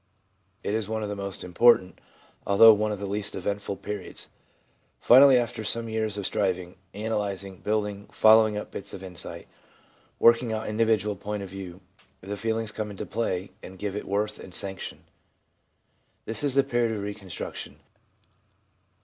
It is one of the most important, although one of the least eventful periods. Finally, after some years of striving, analysing, building, following up bits of insight, w r orking out an individual point of view, the feelings come into play and give it worth and sanction. This is the period of reconstruction.